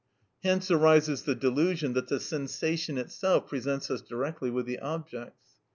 Hence arises the delusion that the sensation itself presents us directly with the objects.